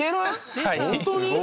はい。